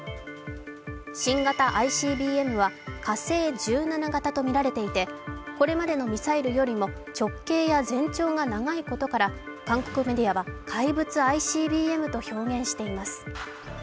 新型ＩＣＢＭは火星１７型とみられていてこれまでのミサイルよりも直径や全長が長いことから韓国メディアは怪物ＩＣＢＭと表現しています。